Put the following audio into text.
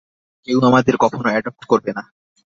কেউ আমাদের কখনও এডপ্ট করবে না।